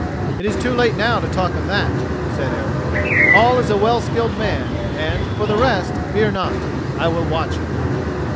"It is too late now to talk of that," said Eric. "Hall is a well skilled man, and, for the rest, fear not: I will watch him."